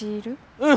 うん。